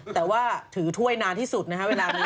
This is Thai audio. แต่ว่าถือถ้วยนานที่สุดนะครับเวลานี้